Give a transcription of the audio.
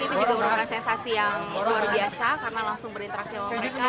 itu juga merupakan sensasi yang luar biasa karena langsung berinteraksi sama mereka